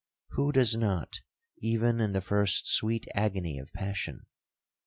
Who does not, even in the first sweet agony of passion?